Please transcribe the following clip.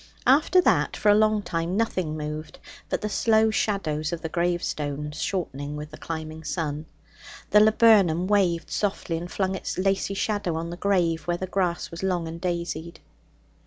After that, for a long time, nothing moved but the slow shadows of the gravestones, shortening with the climbing sun. The laburnum waved softly, and flung its lacy shadow on the grave where the grass was long and daisied.